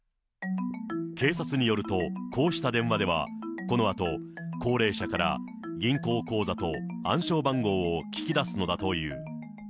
警察によると、こうした電話ではこのあと高齢者から銀行口座と暗証番号を聞き出すのだという。